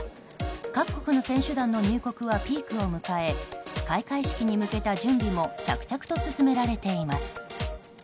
各国の選手団の入国はピークを迎え開会式に向けた準備も着々と進められています。